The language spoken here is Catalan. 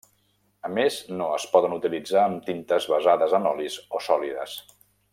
A més, no es poden utilitzar amb tintes basades en olis o sòlides.